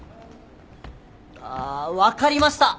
あ分かりました！